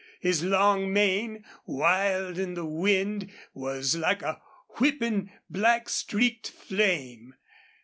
His long mane, wild in the wind, was like a whipping, black streaked flame.